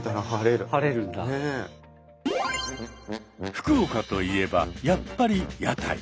福岡といえばやっぱり屋台。